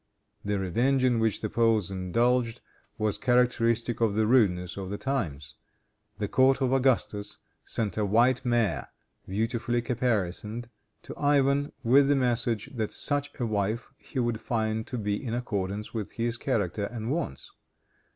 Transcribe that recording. The revenge in which the Poles indulged was characteristic of the rudeness of the times. The court of Augustus sent a white mare, beautifully caparisoned, to Ivan, with the message, that such a wife he would find to be in accordance with his character and wants.